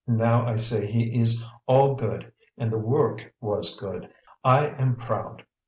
Now, I say he is all good and the work was good; I am proud!